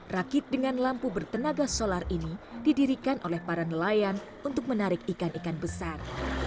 rakit dengan lampu bertenaga solar ini didirikan oleh para nelayan untuk menarik ikan ikan besar